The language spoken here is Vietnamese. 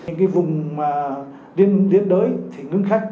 những vùng liên đối thì ngưng khách